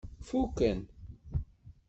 Fuken.